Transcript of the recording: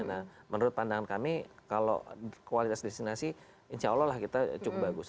nah menurut pandangan kami kalau kualitas destinasi insya allah lah kita cukup bagus